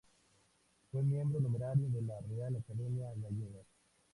Fue miembro numerario de la Real Academia Gallega.